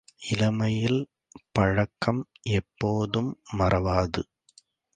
இளமையில் பழக்கம் எப்போதும் மறவாது.